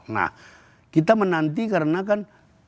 nah kita menanti karena kan